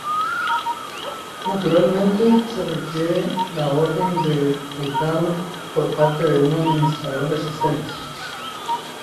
Naturalmente, se requiere la orden de "purgado" por parte de un administrador de sistemas.